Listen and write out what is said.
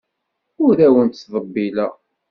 Ur awen-ttḍebbileɣ.